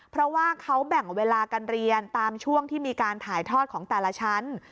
เพราะว่าเขาแบ่งเวลาการเรียนตามช่วงที่มีการถ่ายทอดของแต่ละชั้น